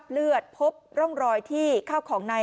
กลุ่มตัวเชียงใหม่